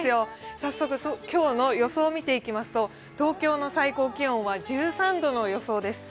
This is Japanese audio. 早速、今日の予想を見ていきますと東京の最高気温は１３度の予想です。